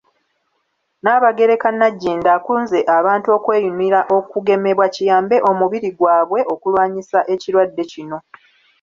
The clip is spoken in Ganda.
Nnaabagereka Nagginda akunze abantu okweyunira okugemebwa kiyambe omubiri gwabwe okulwanyisa ekirwadde kino.